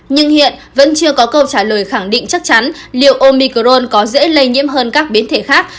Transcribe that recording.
nhưng hiện vẫn chưa có câu trả lời khẳng định chắc chắn liệu omicron có dễ lây nhiễm hơn các biến thể khác